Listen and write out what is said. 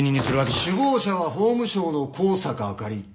首謀者は法務省の香坂朱里。